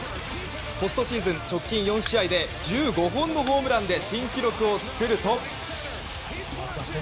ポストシーズン直近４試合で１５本のホームランで新記録を作ると。